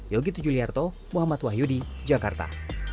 yogyakarta muhammad wahyudi jakarta